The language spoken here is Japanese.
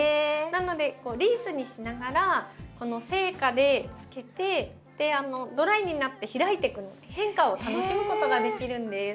なのでリースにしながら生花でつけてドライになって開いてく変化を楽しむことができるんです。